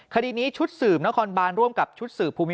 คดีนี้ชุดสืบนครบานร่วมกับชุดสืบภูมิ